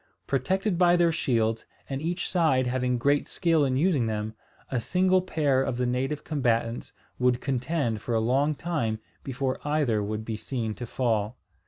Protected by their shields, and each side having great skill in using them, a single pair of the native combatants would contend for a long time before either would be seen to fall.